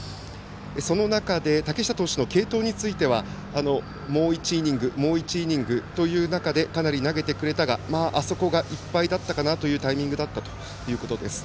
その中で竹下投手の継投については、もう１イニングもう１イニングという中でかなり投げてくれたがあそこがいっぱいだったかなというタイミングだったということです。